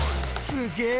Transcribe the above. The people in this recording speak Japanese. すげえ！